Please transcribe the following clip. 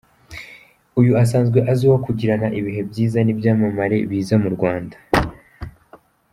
Uyu asanzwe azwiho kugirana ibihe byiza n’ibyamamare biza mu Rwanda.